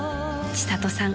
［千里さん